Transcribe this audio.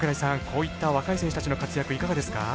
こういった若い選手たちの活躍いかがですか？